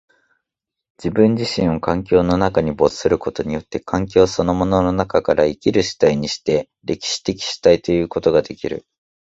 自己自身を環境の中に没することによって、環境そのものの中から生きる主体にして、歴史的主体ということができる。